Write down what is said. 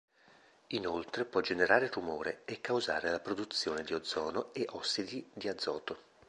Inoltre può generare rumore e causare la produzione di ozono e ossidi di azoto.